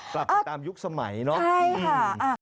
กลับไปตามยุคสมัยเนอะใช่ค่ะ